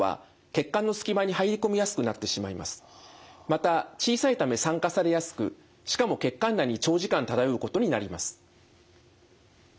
また小さいため酸化されやすくしかも血管内に長時間漂うことになります。